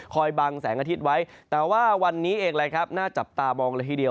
บังแสงอาทิตย์ไว้แต่ว่าวันนี้เองเลยครับน่าจับตามองเลยทีเดียว